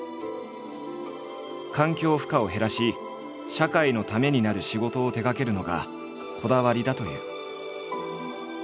環境負荷を減らし社会のためになる仕事を手がけるのがこだわりだという。